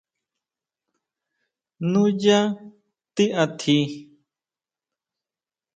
¿Nuyá tiʼatji?